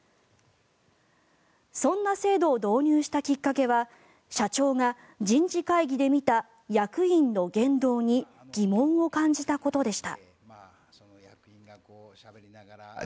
そんな制度を導入したきっかけは社長が人事会議で見た役員の言動に疑問を感じたことでした。